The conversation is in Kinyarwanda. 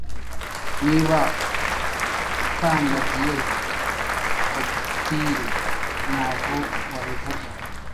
Niba ukandagiye fagitire, ntabwo wabivuga.